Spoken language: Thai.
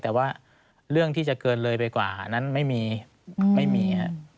แต่ว่าเรื่องที่จะเกินเลยไปกว่านั้นไม่มีไม่มี